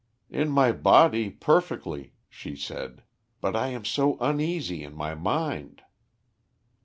"In my body, perfectly," she said. "But I am so uneasy in my mind."